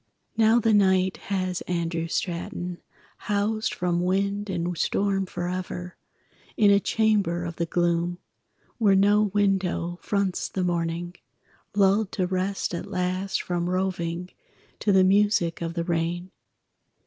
Now the night has Andrew Straton Housed from wind and storm forever In a chamber of the gloom Where no window fronts the morning, Lulled to rest at last from roving To the music of the rain.